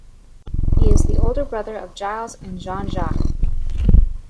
He is the older brother of Gilles and Jean-Jacques.